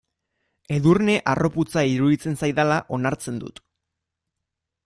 Edurne harroputza iruditzen zaidala onartzen dut.